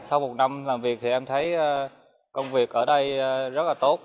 sau một năm làm việc em thấy công việc ở đây rất tốt